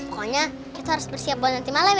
pokoknya kita harus bersiap buat nanti malem ya